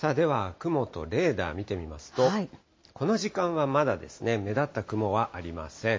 雲とレーダー見てみますと、この時間はまだ目立った雲はありません。